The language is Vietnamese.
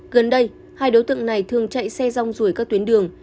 gần đây hai đối tượng này thường chạy xe rong rủi các tuyến đường